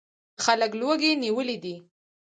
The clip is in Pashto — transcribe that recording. خلک لوږې نیولي دي.